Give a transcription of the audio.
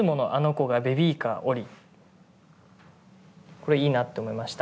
これいいなって思いました。